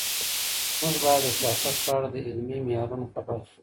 موږ بايد د سياست په اړه د علمي معيارونو خبر سو.